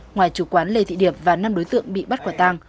ngoài chủ quán lê thị điệp và năm đối tượng bị bắt quả tang